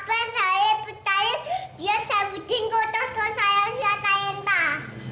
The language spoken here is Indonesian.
akar saya bertanya dia sebutin kota kota saya saya tanya entah